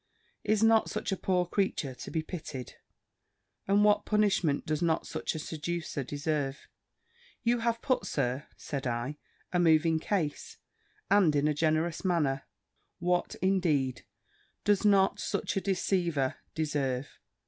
Is not such a poor creature to be pitied? And what punishment does not such a seducer deserve?" "You have put, Sir," said I, "a moving case, and in a generous manner. What, indeed, does not such a deceiver deserve?"